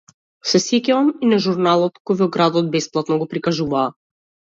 Се сеќавам и на журналот кој во градот бесплатно го прикажуваа.